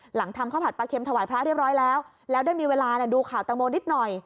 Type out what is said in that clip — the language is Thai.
หลังทำข้าวผัดปลาเค็มถวายพระเรียบร้อยแล้วแล้วได้มีเวลาดูข่าวตังโมนิดหน่อย